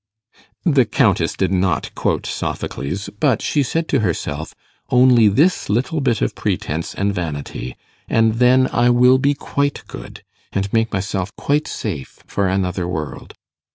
The Countess did not quote Sophocles, but she said to herself, 'Only this little bit of pretence and vanity, and then I will be quite good, and make myself quite safe for another world.